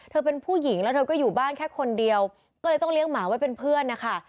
เป็นผู้หญิงแล้วเธอก็อยู่บ้านแค่คนเดียวก็เลยต้องเลี้ยงหมาไว้เป็นเพื่อนนะคะ